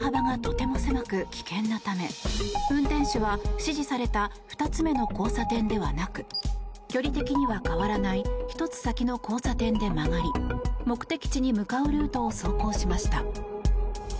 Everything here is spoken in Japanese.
しかしこのルートは道幅がとても狭く危険なため運転手は、指示された２つ目の交差点ではなく距離的には変わらない１つ先の交差点で曲がり目的地に向かうルートを走行しました。